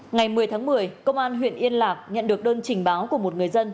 ngày một mươi tháng một mươi công an huyện yên lạc nhận được đơn trình báo của một người dân